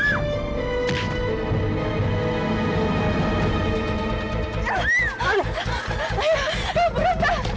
saya bukan orang itu